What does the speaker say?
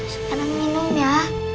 sekarang minum ya